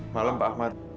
malam pak ahmad